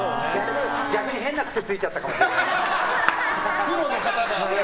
逆に変な癖ついちゃったかもしれない。